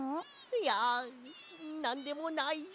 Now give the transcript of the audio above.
いやなんでもない。